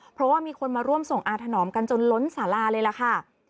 เพราะว่ามีคนมาร่วมส่งอาถนอมกันจนล้นสาราเลยล่ะค่ะ